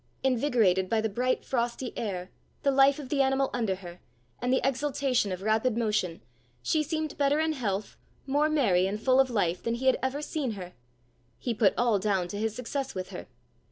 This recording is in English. Invigorated by the bright frosty air, the life of the animal under her, and the exultation of rapid motion, she seemed better in health, more merry and full of life, than he had ever seen her: he put all down to his success with her.